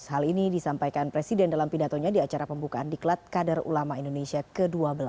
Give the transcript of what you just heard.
hal ini disampaikan presiden dalam pidatonya di acara pembukaan diklat kader ulama indonesia ke dua belas